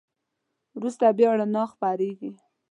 وروسته بیا رڼا خپرېږي.